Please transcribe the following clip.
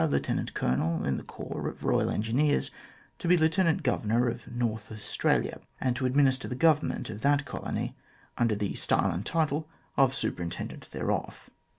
Lieutenant Colonel in the corps of Royal Engineers, to be Lieutenant Governor of North Australia, and to administer the Govern ment of that colony under the style and title of Superintendent thereof."